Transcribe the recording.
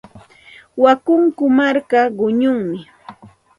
Wakunku marka quñullami.